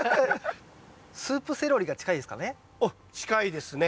スープセロリが近いですかね。